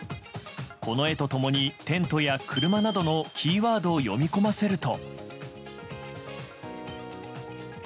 この絵と共にテントや車などのキーワードを読み込ませると。